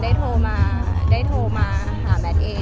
แม็กซ์ก็คือหนักที่สุดในชีวิตเลยจริง